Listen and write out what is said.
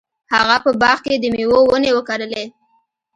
هغه په باغ کې د میوو ونې وکرلې.